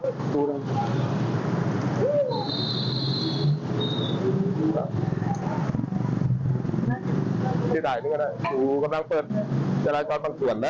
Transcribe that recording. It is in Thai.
ที่ไหนก็ได้อยู่กำลังเปิดจราจรบางส่วนนะ